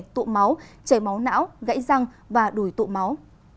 tụ máu chảy máu não gãy răng và đuổi tụ máu